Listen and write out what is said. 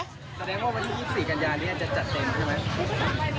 แสดงว่าวันที่๒๔กันยานี้จะจัดเต็มใช่ไหม